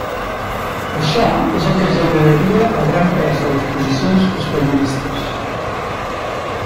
Això és el que generaria el gran pes de les posicions «espanyolistes».